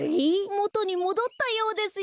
もとにもどったようですよ。